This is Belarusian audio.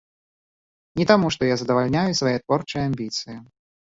Не таму, што я задавальняю свае творчыя амбіцыі.